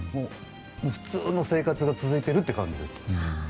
普通の生活が続いているって感じです。